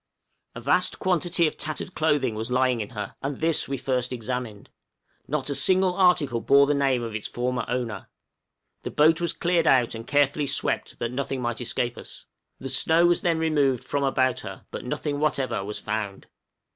A vast quantity of tattered clothing was lying in her, and this we first examined. Not a single article bore the name of its former owner. The boat was cleared out and carefully swept that nothing might escape us. The snow was then removed from about her, but nothing whatever was found.